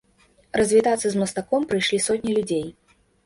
Развітацца з мастаком прыйшлі сотні людзей.